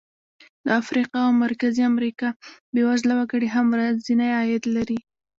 د افریقا او مرکزي امریکا بېوزله وګړي هم ورځنی عاید لري.